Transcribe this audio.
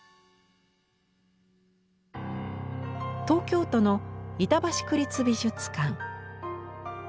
東京都の板橋区立美術館。